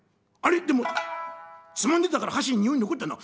でもつまんでたから箸ににおい残ったな。